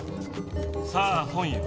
さあ本よ。